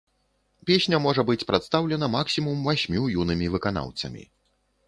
Песня можа быць прадстаўлена максімум васьмю юнымі выканаўцамі.